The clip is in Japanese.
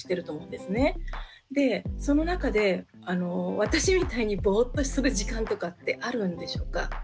でその中で私みたいにぼーっとする時間とかってあるんでしょうか？